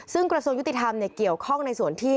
ซึ่งกระทรวงยุติธรรมเกี่ยวข้องในส่วนที่